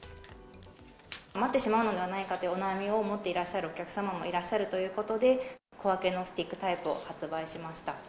余ってしまうのではないかというお悩みを持っていらっしゃるお客様もいらっしゃるということで、小分けのスティックタイプを発売しました。